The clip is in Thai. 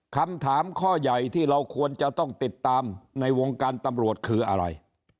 คำถามข้อใหญ่ที่เราควรจะต้องติดตามในวงการตำรวจคืออะไร